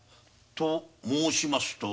と申しますと？